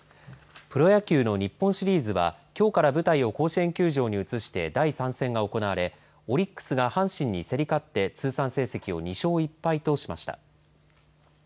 プロ野球の日本シリーズはきょうから舞台を甲子園球場に移して第３戦が行われオリックスが阪神に競り勝って通算成績を２勝１敗としました。